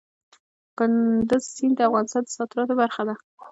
کندز سیند د افغانستان د صادراتو برخه ده.